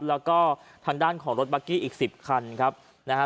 แล้วก็ทางด้านของรถบัคกี้อีกสิบคันครับนะฮะ